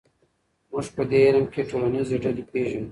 موږ په دې علم کې ټولنیزې ډلې پېژنو.